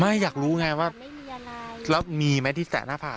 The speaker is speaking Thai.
อยากรู้ไงว่าแล้วมีไหมที่แตะหน้าผาก